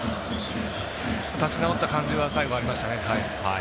立ち直った感じは最後、ありましたね。